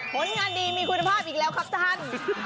ผลงานดีมีคุณภาพอีกแล้วครับท่าน